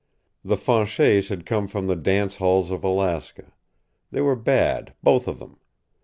The Fanchets had come from the dance halls of Alaska. They were bad, both of them.